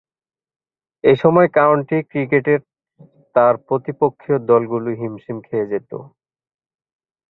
এ সময়ে কাউন্টি ক্রিকেটের তার প্রতিপক্ষীয় দলগুলো হিমশিম খেয়ে যেতো।